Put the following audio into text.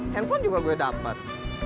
handphone juga gue dapet